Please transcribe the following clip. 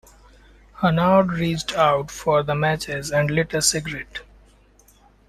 Hanaud reached out for the matches and lit a cigarette.